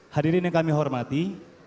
hadirin yang kami hormati